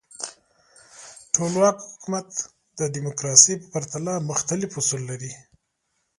ټولواک حکومت د دموکراسۍ په پرتله مختلف اصول لري.